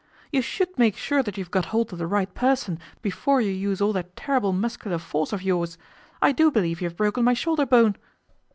'You should make sure that you have got hold of the right person before you use all that terrible muscular force of yours. I do believe you have broken my shoulder bone.